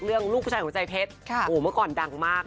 เรื่องลูกผู้ชายของใจเพชรโอ้โหเมื่อก่อนดังมากน่ะ